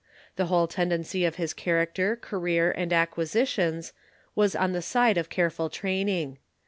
The whole tendency of his character, career, and acquisitions was on the side of careful training.